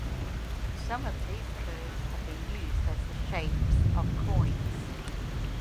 Some of these curves have been used as the shapes of coins.